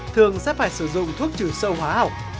thường sẽ phải sử dụng thuốc trừ sâu hóa học